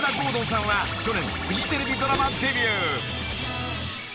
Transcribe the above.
敦さんは去年フジテレビドラマデビュー］